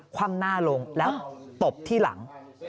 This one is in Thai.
คว่ำหน้าลงแล้วตบที่หลัง